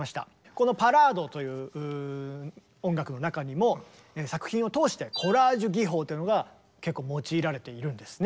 この「パラード」という音楽の中にも作品を通してコラージュ技法というのが結構用いられているんですね。